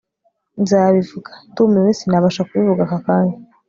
Nzabivuga ndumiwe sinabasha kubivuga aka kanya